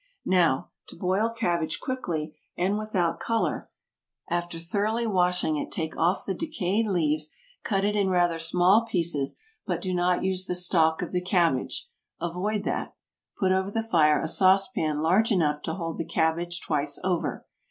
Now, to boil cabbage quickly, and without odor: After thoroughly washing it take off the decayed leaves, cut it in rather small pieces, but do not use the stalk of the cabbage avoid that. Put over the fire a sauce pan large enough to hold the cabbage twice over.